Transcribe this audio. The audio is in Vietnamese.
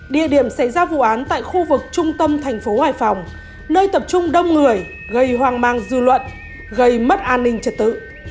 địa điểm xảy ra vụ án tại khu vực trung tâm thành phố hải phòng nơi tập trung đông người gây hoang mang dư luận gây mất an ninh trật tự